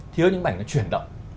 thiếu những bảnh nó chuyển động